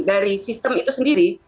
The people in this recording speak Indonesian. dari sistem itu sendiri